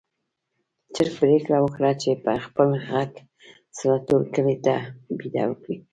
چرګ پرېکړه وکړه چې په خپل غږ سره ټول کلي ته بېده وکړي.